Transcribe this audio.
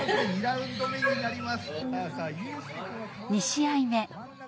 ２試合目。